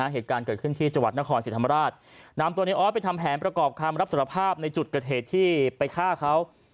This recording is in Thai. เหตุการณ์เกิดขึ้นที่จังหวัดนครศรีธรรมราชนำตัวในออสไปทำแผนประกอบคำรับสารภาพในจุดเกิดเหตุที่ไปฆ่าเขา